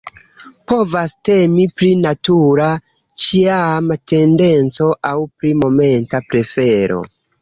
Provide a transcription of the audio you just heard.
Povas temi pri natura, ĉiama tendenco aŭ pri momenta prefero.